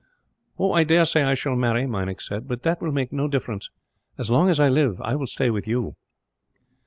"I daresay I shall marry," Meinik said, "but that will make no difference. As long as I live, I shall stay with you."